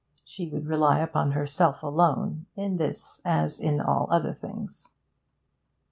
She would rely upon herself alone, in this as in all other undertakings.